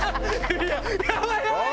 やばいやばい！